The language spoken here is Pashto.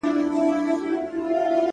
ستا وه څادرته ضروت لرمه؛